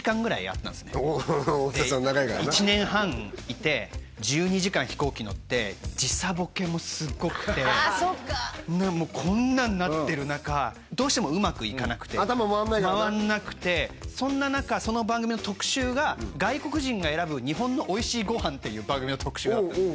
長いからな１年半いて１２時間飛行機乗って時差ボケもすごくてもうこんなんなってる中どうしてもうまくいかなくて頭回んないよな回んなくてそんな中その番組の特集が外国人が選ぶ日本のおいしいご飯という番組の特集があったんです